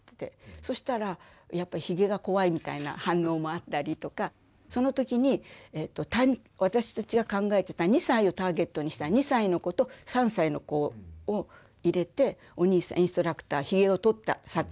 そしたらやっぱひげが怖いみたいな反応もあったりとかその時に私たちが考えてた２歳をターゲットにした２歳の子と３歳の子を入れてお兄さんインストラクターひげを取った撮影をやったんです。